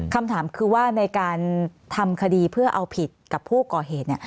คำถามคือว่าในการทำคดีเพื่อเอาผิดกับผู้ก่อเหตุ